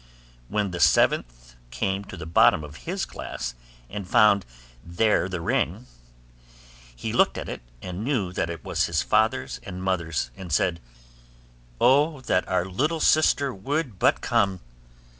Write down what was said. When the seventh came to the bottom of his glass, and found there the ring, he looked at it, and knew that it was his father's and mother's, and said, 'O that our little sister would but come!